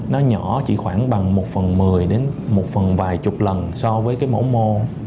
nó nhỏ chỉ khoảng bằng một phần mười đến một phần vài chục lần so với cái mẫu mô